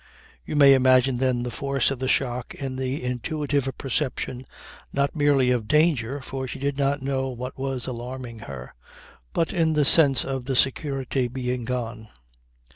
You may imagine then the force of the shock in the intuitive perception not merely of danger, for she did not know what was alarming her, but in the sense of the security being gone.